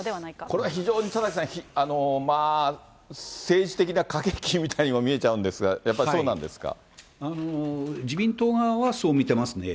これは非常に田崎さん、政治的な駆け引きみたいにも見えちゃうんですが、やっぱりそうな自民党側はそう見てますね。